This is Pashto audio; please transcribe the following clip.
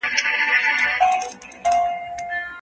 حکومت د بهرنیو موسسو لپاره د کار ساحه نه تنګوي.